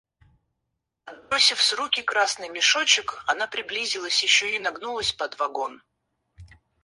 Отбросив с руки красный мешочек, она приблизилась еще и нагнулась под вагон.